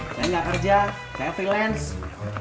saya nggak kerja saya freelance